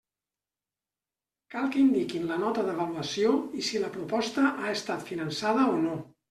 Cal que indiquin la nota d'avaluació i si la proposta ha estat finançada o no.